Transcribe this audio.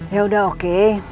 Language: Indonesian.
ya udah oke